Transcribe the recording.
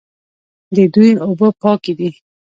د دوی اوبه پاکې دي.